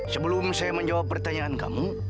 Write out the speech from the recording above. sebelum saya menjawab pertanyaan kamu